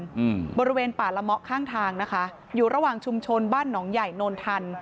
อืมบริเวณป่าละเมาะข้างทางนะคะอยู่ระหว่างชุมชนบ้านหนองใหญ่โนนทัน